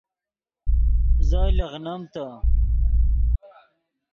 زو لیغنیم تے